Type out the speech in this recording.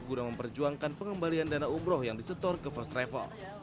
guna memperjuangkan pengembalian dana umroh yang disetor ke first travel